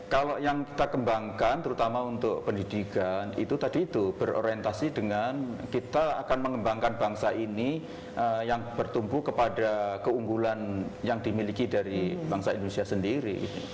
kalau yang kita kembangkan terutama untuk pendidikan itu tadi itu berorientasi dengan kita akan mengembangkan bangsa ini yang bertumbuh kepada keunggulan yang dimiliki dari bangsa indonesia sendiri